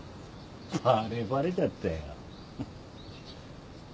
バレバレじゃったよ。